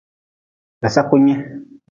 Dasaku nyi.